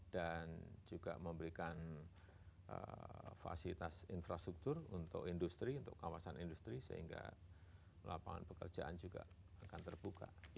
dan juga memberikan fasilitas infrastruktur untuk industri untuk kawasan industri sehingga lapangan pekerjaan juga akan terbuka